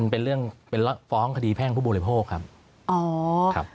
เป็นเรื่องเป็นฟ้องคดีแพ่งผู้บริโภคครับ